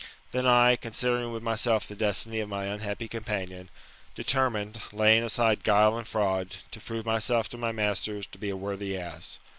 Then I, considering with myself the destiny of my unhappy com panion, determined, laying aside guile and fraud, to prove myself to my masters to be a worthy ass.